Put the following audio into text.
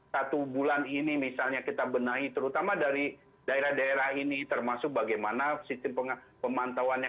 satu bulan ini misalnya kita benahi terutama dari daerah daerah ini termasuk bagaimana sistem pemantauannya